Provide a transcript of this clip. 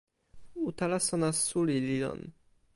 utala sona suli li lon.